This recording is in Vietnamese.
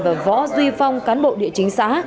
và võ duy phong cán bộ địa chính xã